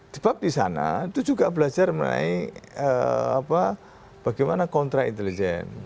di bab di sana itu juga belajar mengenai bagaimana kontra intelijen